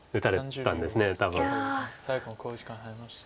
酒井四段最後の考慮時間に入りました。